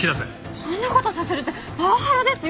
そんな事させるってパワハラですよ！